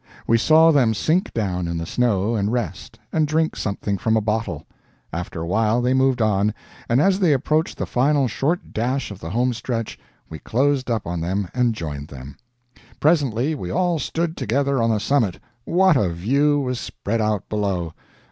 We saw them sink down in the snow and rest, and drink something from a bottle. After a while they moved on, and as they approached the final short dash of the home stretch we closed up on them and joined them. Presently we all stood together on the summit! What a view was spread out below!